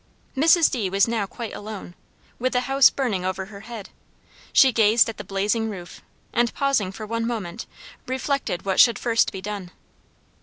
Mrs. D. was now quite alone, with the house burning over her head. She gazed at the blazing roof, and, pausing for one moment, reflected what should first be done.